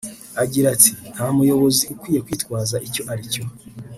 Agira ati “Nta muyobozi ukwiye kwitwaza icyo ari cyo